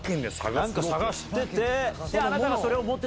何か探してて。